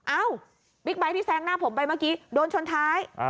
เอ้าบิ๊กไบท์ที่แซงหน้าผมไปเมื่อกี้โดนชนท้าย